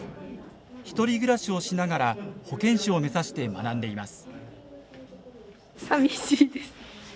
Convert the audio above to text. １人暮らしをしながら保健師を目指して学んでいます。